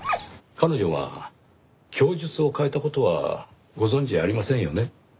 彼女が供述を変えた事はご存じありませんよね？